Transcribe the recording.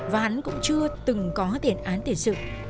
và hắn cũng chưa từng có tiền án tiền sự